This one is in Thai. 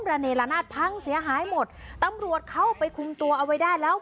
ระเนละนาดพังเสียหายหมดตำรวจเข้าไปคุมตัวเอาไว้ได้แล้ว